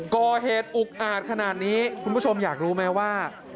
ก่อเหตุอุกอาจขนาดนี้คุณผู้ชมอยากรู้ไหมว่า